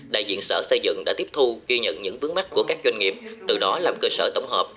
đại diện sở xây dựng đã tiếp thu ghi nhận những vướng mắt của các doanh nghiệp từ đó làm cơ sở tổng hợp